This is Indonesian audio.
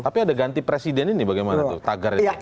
tapi ada ganti presiden ini bagaimana tuh